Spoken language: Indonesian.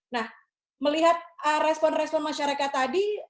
nah melihat respon respon masyarakat tadi